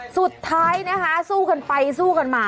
สุดท้ายนะคะสู้กันไปสู้กันมา